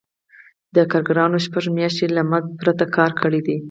دا کارګرانو شپږ میاشتې له مزد پرته کار کړی دی